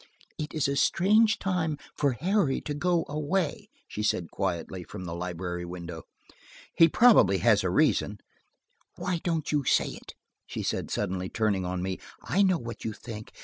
"It is a strange time for Harry to go away," she said quietly, from the library window. "He probably has a reason." "Why don't you say it?" she said suddenly, turning on me. "I know what you think.